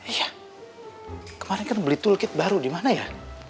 iya kemarin kan beli tulkit baru di mana ya